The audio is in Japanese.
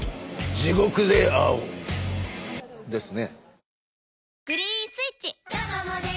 地獄で会おう。ですね？